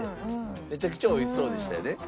めちゃくちゃ美味しそうでしたよね。